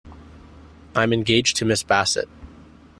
I'm engaged to Miss Bassett.